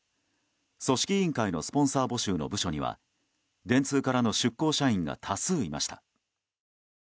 組織委員会のスポンサー募集の部署には電通からの出向社員が多数いました。